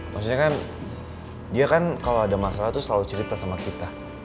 maksudnya kan dia kan kalau ada masalah tuh selalu cerita sama kita